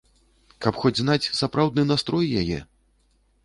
Каб хоць знаць сапраўдны настрой яе!